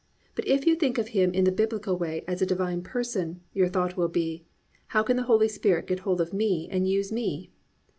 But if you think of Him in the Biblical way as a Divine person, your thought will be, "How can the Holy Spirit get hold of me and use me?"